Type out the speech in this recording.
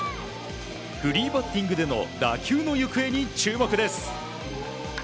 フリーバッティングでの打球の行方の注目です。